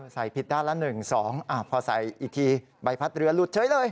ผิดด้านละ๑๒พอใส่อีกทีใบพัดเรือหลุดเฉยเลย